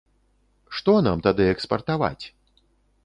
Што нам тады экспартаваць?!